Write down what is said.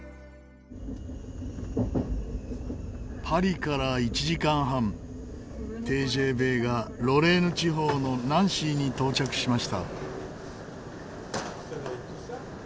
パリから１時間半ＴＧＶがロレーヌ地方のナンシーに到着しました。